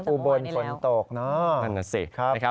อุบลฝนตก